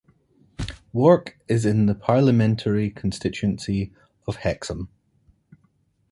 Wark is in the parliamentary constituency of Hexham.